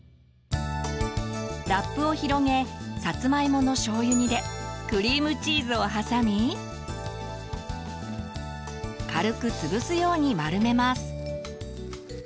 ラップを広げさつまいものしょうゆ煮でクリームチーズをはさみ軽く潰すように丸めます。